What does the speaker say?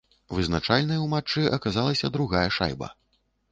Вызначальнай у матчы аказалася другая шайба.